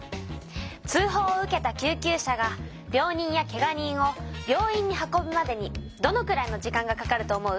通ほうを受けた救急車が病人やけが人を病院に運ぶまでにどのくらいの時間がかかると思う？